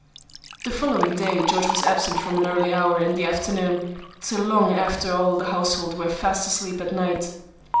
The following day George was absent from an early hour in the afternoon till long after all the household were fast asleep at night.